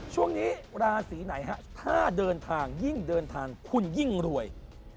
ช่วงนี้ราศีไหนฮะถ้าเดินทางยิ่งเดินทางคุณยิ่งรวย